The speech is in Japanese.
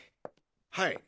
はい。